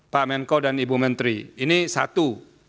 pak menko dan ibu menteri ini satu